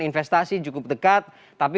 investasi cukup dekat tapi